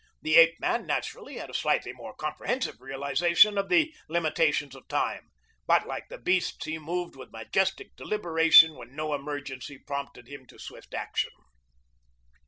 The ape man, naturally, had a slightly more comprehensive realization of the limitations of time; but, like the beasts, he moved with majestic deliberation when no emergency prompted him to swift action.